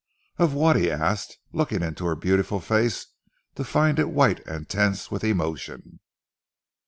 "Of what?" he asked, looking into her beautiful face to find it white and tense with emotion.